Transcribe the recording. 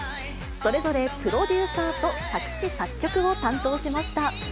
それぞれプロデューサーと作詞作曲を担当しました。